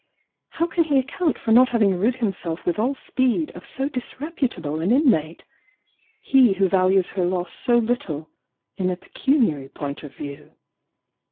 How can he account for not having rid himself with all speed, of so disreputable an inmate he who values her loss so little "in a pecuniary point of view?"